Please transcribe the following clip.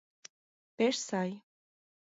Пеш сай.